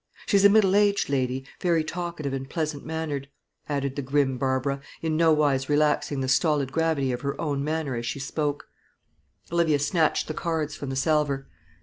She's a middle aged lady, very talkative and pleasant mannered," added the grim Barbara, in nowise relaxing the stolid gravity of her own manner as she spoke. Olivia snatched the cards from the salver.